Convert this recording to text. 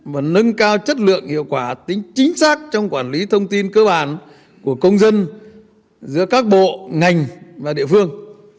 và nâng cao chất lượng hiệu quả tính chính xác trong quản lý thông tin cơ bản của công dân giữa các bộ ngành và địa phương